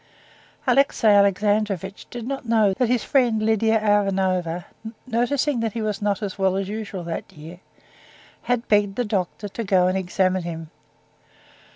Alexey Alexandrovitch did not know that his friend Lidia Ivanovna, noticing that he was not as well as usual that year, had begged the doctor to go and examine him.